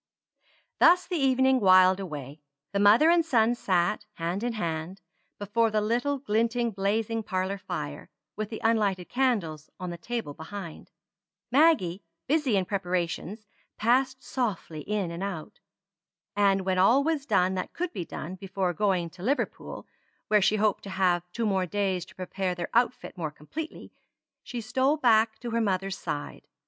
Thus the evening whiled away. The mother and son sat, hand in hand, before the little glinting blazing parlor fire, with the unlighted candles on the table behind. Maggie, busy in preparations, passed softly in and out. And when all was done that could be done before going to Liverpool, where she hoped to have two days to prepare their outfit more completely, she stole back to her mother's side.